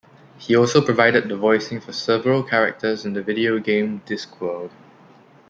He also provided the voicing for several characters in the videogame "Discworld".